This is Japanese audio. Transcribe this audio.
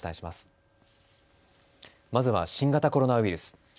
まずは新型コロナウイルス。